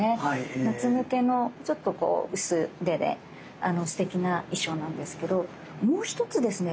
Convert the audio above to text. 夏向けのちょっとこう薄手ですてきな衣装なんですけどもう一つですね